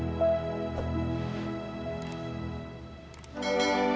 kenapa kamu tidur di sini sayang